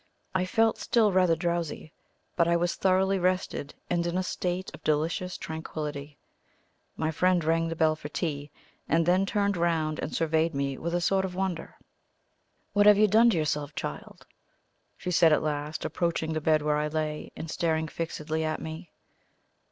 I felt still rather drowsy, but I was thoroughly rested and in a state of delicious tranquillity. My friend rang the bell for the tea, and then turned round and surveyed me with a sort of wonder. "What have you done to yourself, child?" she said at last, approaching the bed where I lay, and staring fixedly at me.